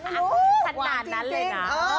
ไม่รู้สันนานนั้นเลยนะ